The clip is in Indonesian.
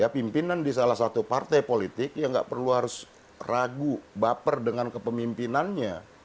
pimpinan di salah satu partai politik ya nggak perlu harus ragu baper dengan kepemimpinannya